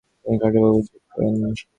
তিনি কঠোরভাবে উচ্ছেদ করেন।